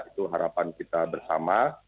itu harapan kita bersama